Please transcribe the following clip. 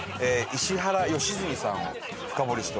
石原良純さんを深掘りしております。